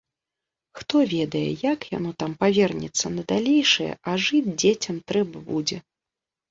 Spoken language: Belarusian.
Хто ведае, як яно там павернецца на далейшае, а жыць дзецям трэба будзе.